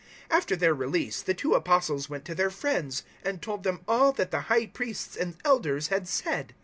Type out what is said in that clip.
004:023 After their release the two Apostles went to their friends, and told them all that the High Priests and Elders had said.